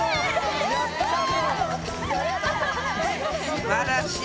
すばらしい。